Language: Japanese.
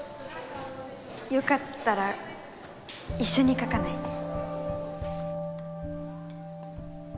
よかったら一緒に描かない？